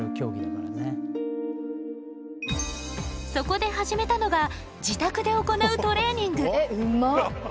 そこで始めたのが自宅で行うトレーニング。